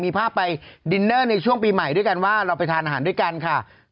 มีภาพไปดินเนอร์ในช่วงปีใหม่ด้วยกันว่าเราไปทานอาหารด้วยกันค่ะ